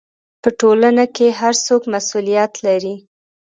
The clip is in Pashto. په ټولنه کې هر څوک مسؤلیت لري.